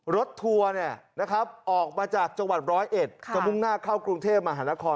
รถทัวร์ออกมาจากจังหวัดร้อยเอ็ดกระพุ่งหน้าเข้ากรุงเทพมหานคร